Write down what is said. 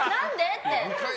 って。